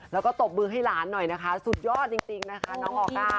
แล้วก็ตบมือให้หลานหน่อยนะคะสุดยอดจริงนะคะน้องออก้า